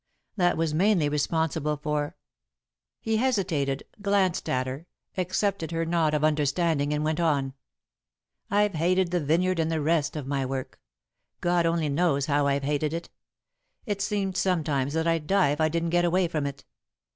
That was mainly responsible for " He hesitated, glanced at her, accepted her nod of understanding, and went on. "I've hated the vineyard and the rest of my work. God only knows how I've hated it! It's seemed sometimes that I'd die if I didn't get away from it.